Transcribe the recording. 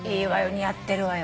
似合ってるわよ。